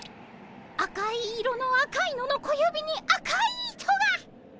赤い色の赤いのの小指に赤い糸が！